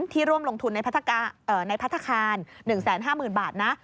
ร่วมลงทุนในพัฒนาคาร๑๕๐๐๐บาทนะ